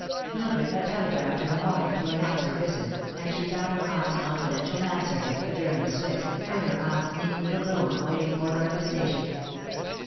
Mildred had telegraphed in the morning to announce her visit, and she found her aunt's confidential man servant, a German Swiss, and her aunt's neat little brougham waiting for her at the station.